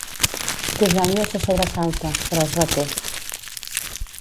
Tesalio se sobresalta, però es reté.